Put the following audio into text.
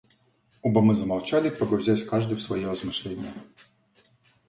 Оба мы замолчали, погрузясь каждый в свои размышления.